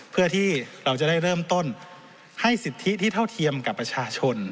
เพื่อที่เราจะได้เริ่มต้นให้สิทธิที่เท่าเทียมกับประชาชน